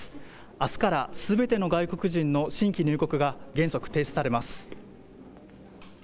あすからすべての外国人の新規入国が原則、停止されます。